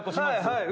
はい。